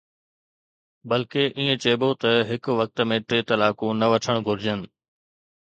بلڪه ائين چئبو ته هڪ وقت ۾ ٽي طلاقون نه وٺڻ گهرجن